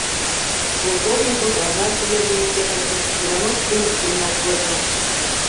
Полковников лавырашке нер дене керылте, Иванов кумык шуйналт возо.